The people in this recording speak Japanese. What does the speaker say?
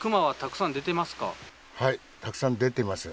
はい、たくさん出てます。